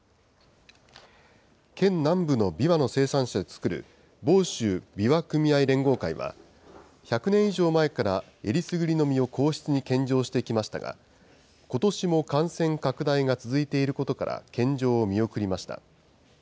県南部のびわの生産者で作る、房州枇杷組合連合会は、１００年以上前からえりすぐりの実を皇室に献上してきましたが、ことしも感染拡大が続いていることから、献上を見送りました。